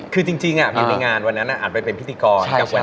คือจริงอยู่ในงานวันนั้นอ่ะอ่านเราจากไปเป็นพิกษากับแวน